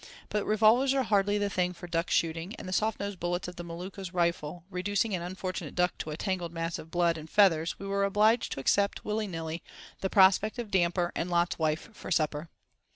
But revolvers are hardly the thing for duck shooting, and the soft nosed bullets of the Maluka's rifle reducing an unfortunate duck to a tangled mass of blood and feathers we were obliged to accept, willy nilly, the prospect of damper and "Lot's wife" for supper.